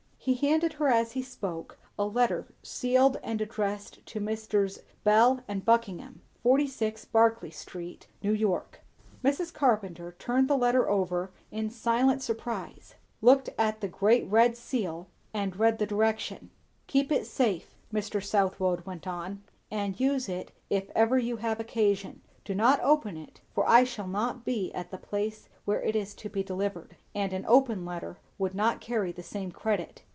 He handed her as he spoke a letter, sealed, and addressed to "Messrs. Bell & Buckingham, 46 Barclay St., New York." Mrs. Carpenter turned the letter over, in silent surprise; looked at the great red seal and read the direction. "Keep it safe," Mr. Southwode went on, "and use it if ever you have' occasion. Do not open it; for I shall not be at the place where it is to be delivered, and an open letter would not carry the same credit.